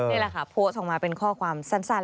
นี่แหละค่ะโพสต์ออกมาเป็นข้อความสั้น